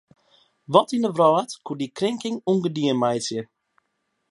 Wat yn de wrâld koe dy krinking ûngedien meitsje?